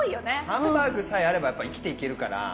ハンバーグさえあればやっぱ生きていけるから。